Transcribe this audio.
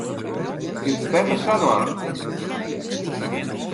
Kinst it better sa dwaan.